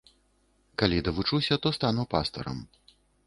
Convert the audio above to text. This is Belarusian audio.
Калі давучуся, то стану пастарам.